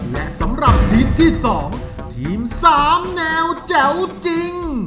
และสำหรับทีมที่๒ทีม๓แนวแจ๋วจริง